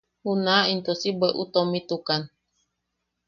Junaʼa into si bweʼu tomitukan.